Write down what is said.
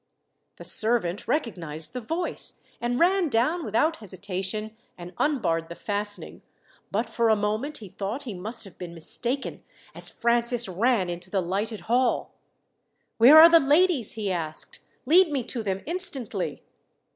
The servant recognized the voice, and ran down without hesitation and unbarred the fastening; but for a moment he thought he must have been mistaken, as Francis ran into the lighted hall. "Where are the ladies?" he asked. "Lead me to them instantly."